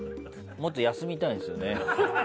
もっと休みたいんですけどね。